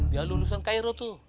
dia lulusan cairo tuh